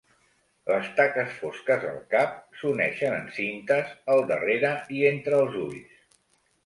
Les taques fosques al cap s'uneixen en cintes al darrere i entre els ulls.